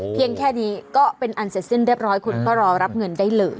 เพียงแค่นี้ก็เป็นอันเสร็จสิ้นเรียบร้อยคุณก็รอรับเงินได้เลย